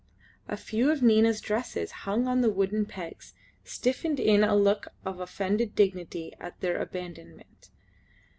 A few of Nina's dresses hung on wooden pegs, stiffened in a look of offended dignity at their abandonment.